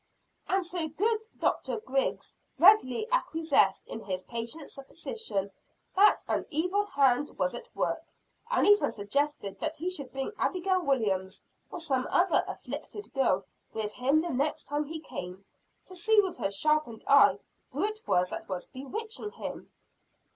And so good Doctor Griggs readily acquiesced in his patient's supposition that "an evil hand," was at work, and even suggested that he should bring Abigail Williams or some other "afflicted" girl with him the next time he came, to see with her sharpened eyes who it was that was bewitching him.